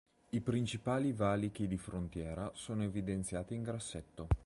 I principali valichi di frontiera sono evidenziati in grassetto.